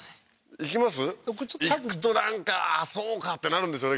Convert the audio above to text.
いくとなんか「そうか」ってなるんですよね